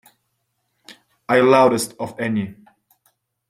I loudest of any.